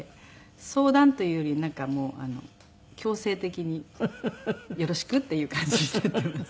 相談というよりなんかもう強制的によろしくっていう感じでやっています。